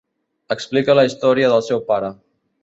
Explica la història del seu pare.